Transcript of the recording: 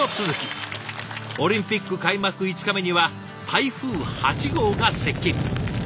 オリンピック開幕５日目には台風８号が接近。